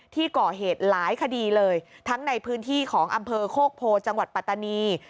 ที่ก่อเหตุหลายคดีเลยทั้งในพื้นที่ของอำเภอโคกโพจังหวัดปัตตานี